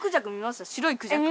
白いクジャク。